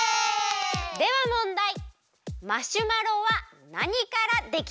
ではもんだい！